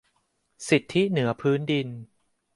สิทธิเหนือพื้นดิน